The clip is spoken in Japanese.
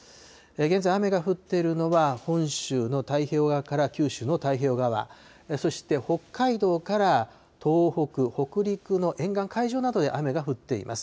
現在、雨が降っているのは本州の太平洋側から九州の太平洋側、そして北海道から東北、北陸の沿岸、海上などで雨が降っています。